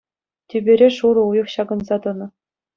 Тӳпере шурӑ уйӑх ҫакӑнса тӑнӑ.